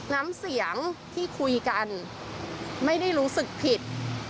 น้ำเสียงที่คุยกันไม่ได้รู้สึกผิด